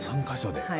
３か所で。